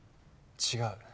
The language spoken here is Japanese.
違う。